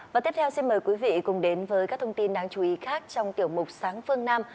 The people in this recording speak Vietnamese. và tiếp theo xin mời quý vị cùng đến với các thông tin đáng chú ý khác trong tiểu mục sáng phương nam